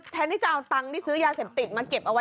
ที่จะเอาตังค์ที่ซื้อยาเสพติดมาเก็บเอาไว้